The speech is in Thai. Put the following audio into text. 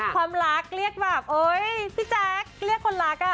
ความรักเรียกแบบโอ๊ยพี่แจ๊คเรียกคนรักอ่ะ